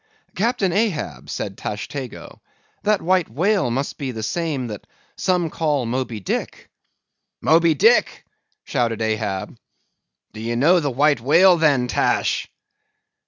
"Captain Ahab," said Tashtego, "that white whale must be the same that some call Moby Dick." "Moby Dick?" shouted Ahab. "Do ye know the white whale then, Tash?"